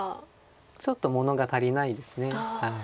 ちょっと物が足りないです。